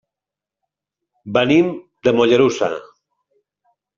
Venim de Mollerussa.